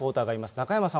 中山さん